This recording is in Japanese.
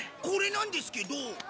これなんですけど。